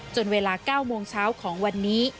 เวลา๙โมงเช้าของวันนี้